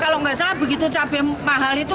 kalau nggak salah begitu cabai mahal itu